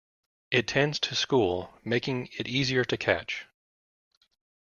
It tends to school, making it easier to catch.